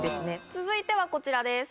続いてはこちらです。